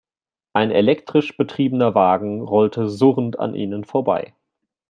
Ein elektrisch betriebener Wagen rollte surrend an ihnen vorbei.